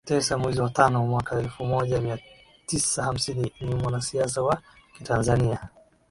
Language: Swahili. tisa mwezi wa tano mwaka elfu moja mia tisa hamsini ni mwanasiasa wa Kitanzania